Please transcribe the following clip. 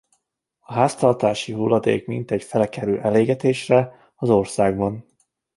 A háztartási hulladék mintegy fele kerül elégetésre az országban.